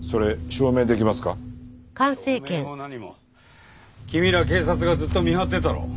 証明も何も君ら警察がずっと見張ってたろう。